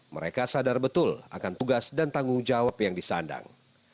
mereka sadar betul akan tugas dan tanggung jawab yang disandang